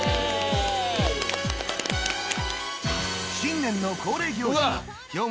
新年の恒例行事